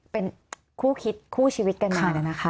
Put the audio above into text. เป็นคู่คิดคู่ชีวิตกันมานะคะ